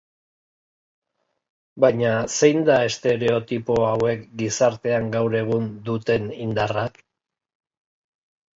Baina, zein da estereotipo hauek gizartean gaur egun duten indarra?